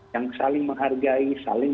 yang saling menghargai saling